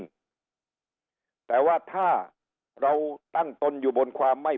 แต่ว่าถ้าเราตั้งตนอยู่บนความไม่